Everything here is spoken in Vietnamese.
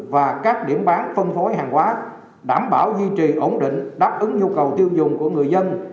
và các điểm bán phân phối hàng hóa đảm bảo duy trì ổn định đáp ứng nhu cầu tiêu dùng của người dân